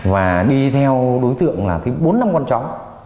và đi theo đối tượng là cái bốn năm con chó